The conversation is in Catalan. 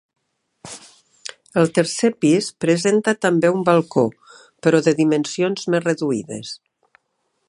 El tercer pis presenta també un balcó, però de dimensions més reduïdes.